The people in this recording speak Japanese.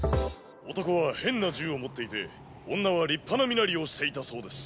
「男は変な銃を持っていて女は立派な身なりをしていたそうです」